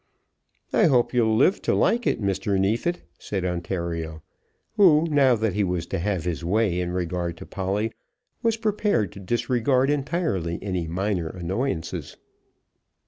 "I hope you'll live to like it, Mr. Neefit," said Ontario, who, now that he was to have his way in regard to Polly, was prepared to disregard entirely any minor annoyances.